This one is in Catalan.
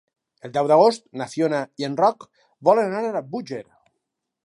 El deu d'agost na Fiona i en Roc volen anar a Búger.